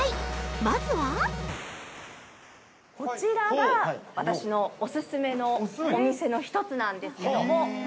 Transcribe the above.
まずは◆こちらが私のオススメのお店の１つなんですけども。